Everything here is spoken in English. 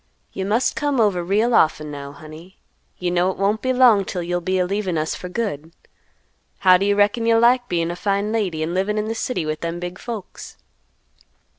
"You must come over real often, now, honey; you know it won't be long 'til you'll be a leavin' us for good. How do you reckon you'll like bein' a fine lady, and livin' in the city with them big folks?"